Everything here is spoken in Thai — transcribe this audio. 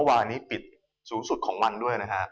วานี้ปิดสูงสุดของวันด้วยนะฮะ